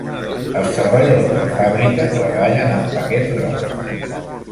Els treballadors de fàbrica treballen amb paquets grocs.